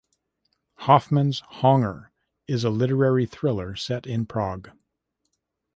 "Hoffman's honger" is a literary thriller set in Prague.